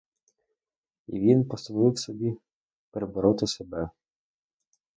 І він постановив собі перебороти себе.